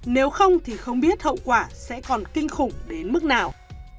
nếu không thì không biết hậu quả sẽ còn kinh khủng đến mức nào